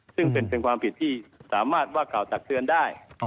ซึ่งเป็นความผิดที่สามารถว่ากล่าวตักเตือนได้